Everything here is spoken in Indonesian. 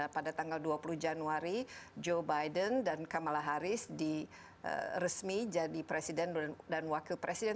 pada tanggal dua puluh januari joe biden dan kamala harris diresmi jadi presiden dan wakil presiden